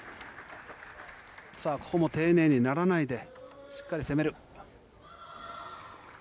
さあここも丁寧にならないで、しっかり攻める。